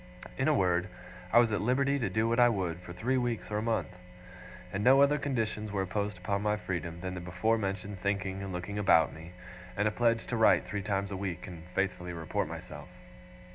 In a word, I was at liberty to do what I would, for three weeks or a month; and no other conditions were imposed upon my freedom than the before mentioned thinking and looking about me, and a pledge to write three times a week and faithfully report myself.